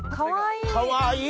かわいい。